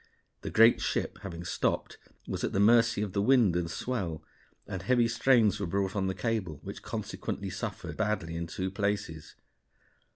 The great ship, having stopped, was at the mercy of the wind and swell, and heavy strains were brought on the cable, which consequently suffered badly in two places.